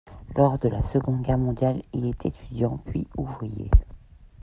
Lors de la Seconde Guerre mondiale, il est étudiant puis ouvrier.